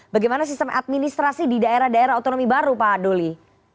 bagaimana sistem administrasi di daerah daerah otonomi baru pak doli